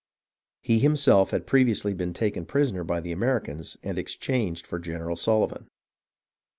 He himself had previously been taken prisoner by the Americans and exchanged for General Sullivan.